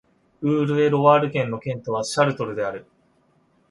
ウール＝エ＝ロワール県の県都はシャルトルである